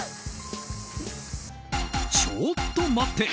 ちょっと待って！